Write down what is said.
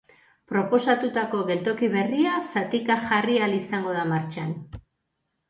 Proposatutako geltoki berria zatika jarri ahal izango da martxan.